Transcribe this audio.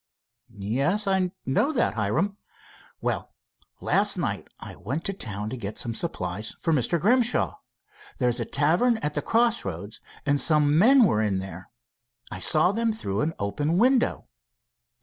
"Yes, I know that, Hiram." "Well, last night I went to town to get some supplies for Mr. Grimshaw. There's a tavern at the cross roads, and some men were in there. I saw them through an open window.